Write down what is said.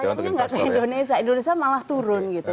tidak ke indonesia indonesia malah turun gitu